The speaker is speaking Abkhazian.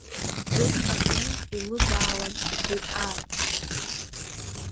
Ӡык аҟны илыбаауан убри аамҭазы.